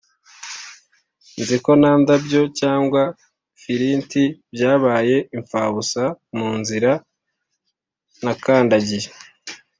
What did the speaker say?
nzi ko nta ndabyo, cyangwa flint byabaye impfabusa munzira nakandagiye.